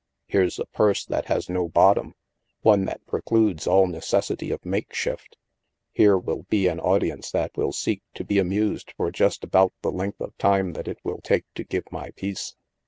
Here's a purse that has no bottom, one that precludes all necessity of make shift; here will be an audience that will seek to be amused for just about the length of time that it will take to give my piece.